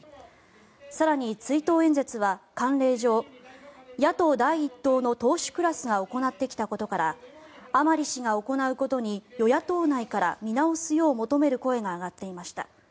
更に、追悼演説は慣例上野党第１党の党首クラスが行ってきたことから甘利氏が行うことに与野党内から見直すよう求める声が上がっていました。